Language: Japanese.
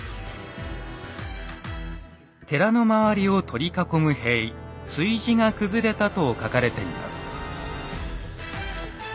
寺の周りを取り囲む塀「築地」が崩れたと書かれています。